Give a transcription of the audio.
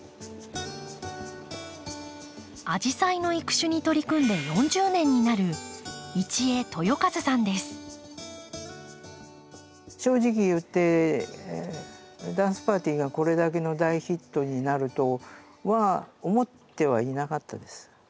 アジサイの育種に取り組んで４０年になる正直言ってダンスパーティーがこれだけの大ヒットになるとは思ってはいなかったです。